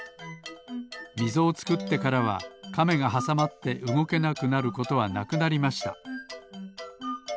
みぞをつくってからはカメがはさまってうごけなくなることはなくなりました